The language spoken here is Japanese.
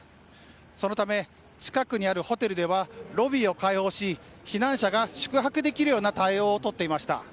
そのため、近くにあるホテルではロビーを開放し避難者が宿泊できるような対応を取っていました。